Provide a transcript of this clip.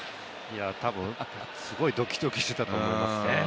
多分、ドキドキしていたと思いますね。